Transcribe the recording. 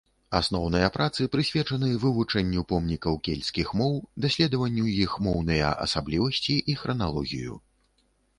Асноўныя працы прысвечаны вывучэнню помнікаў кельцкіх моў, даследаванню іх моўныя асаблівасці і храналогію.